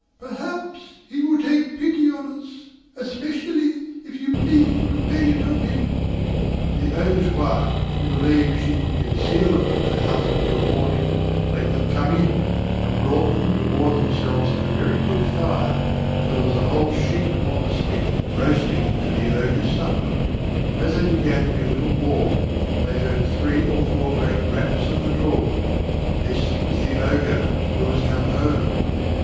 Perhaps he will take pity on us, especially if you please to beg it of him." The Ogre's wife, who believed she could conceal them from her husband till morning, let them come in, and brought them to warm themselves at a very good fire; for there was a whole sheep upon the spit roasting for the Ogre's supper. As they began to be a little warm, they heard three or four great raps at the door; this was the Ogre, who was come home.